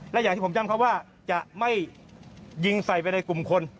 และอย่างที่ผมจำเขาว่าจะไม่ยิงใส่ไปในกลุ่มคน